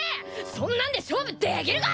そんなんで勝負できるか！